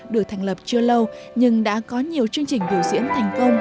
được thành lập chưa lâu nhưng đã có nhiều chương trình biểu diễn thành công